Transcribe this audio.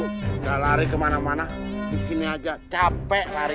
udah lari kemana mana disini aja capek lari